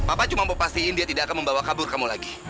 papa cuma mau pastiin dia tidak akan membawa kabur kamu lagi